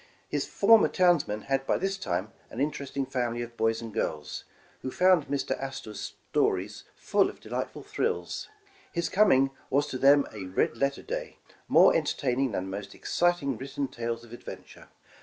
His former townsman had by this time an interesting family of boys and girls, who found Mr. Astor 's stories full of delightful thrills. His coming was to them a red letter day, more entertaining than the most exciting written tales of adventure.